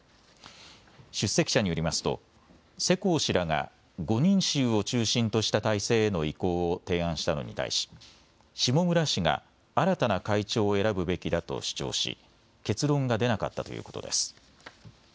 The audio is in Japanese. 出席者によりますと世耕氏らが５人衆を中心とした体制への移行を提案したのに対し下村氏が新たな会長を選ぶべきだと主張し結論が出なかったということです。